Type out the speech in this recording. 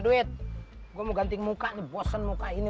duit gua mau ganti muka bosan muka ini